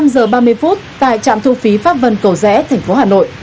một mươi năm giờ ba mươi phút tại trạm thu phí pháp vân cầu rẽ thành phố hà nội